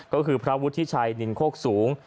ก็คือพระวุฒิชัยนินโคกสูง